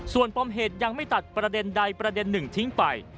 ส่วนปมเหตุยังไม่ตัดประเด็นใดประเด็นหนึ่งทิ้งไป